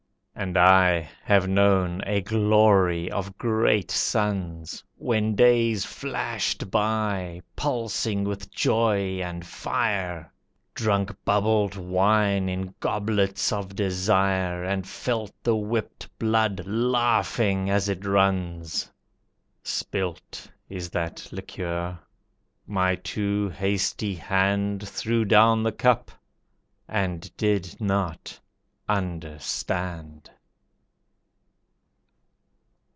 And I have known a glory of great suns, When days flashed by, pulsing with joy and fire! Drunk bubbled wine in goblets of desire, And felt the whipped blood laughing as it runs! Spilt is that liquor, my too hasty hand Threw down the cup, and did not understand.